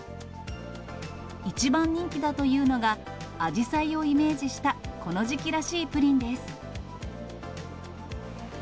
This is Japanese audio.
一番人気だというのが、あじさいをイメージしたこの時期らしいプリンです。